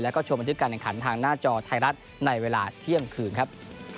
แล้วก็ชมบันทึกการแข่งขันทางหน้าจอไทยรัฐในเวลาเที่ยงคืนครับ